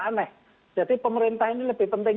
aneh jadi pemerintah ini lebih penting